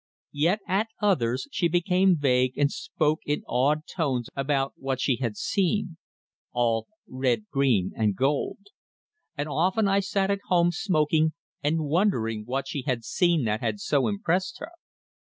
Yet, at others, she became vague and spoke in awed tones about what she had seen "all red, green and gold." And often I sat at home smoking and wondering what she had seen that had so impressed her.